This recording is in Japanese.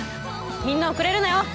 みんな遅れるなよ。